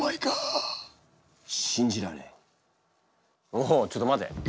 おちょっと待て。